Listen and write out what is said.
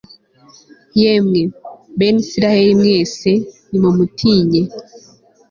yemwe, bene israheli mwese, nimumutinye